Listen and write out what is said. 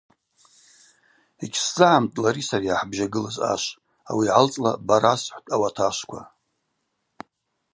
Йгьсзыгӏамтӏтӏ лари сари йгӏахӏбжьагылыз ашв, Ауи йгӏалцӏла ба расхӏвтӏ ауат ашвква.